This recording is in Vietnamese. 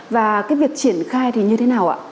và cái việc triển khai thì như thế nào ạ